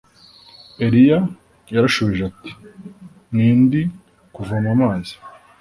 eliya yarashubije ati ni ndi kuvoma amazi.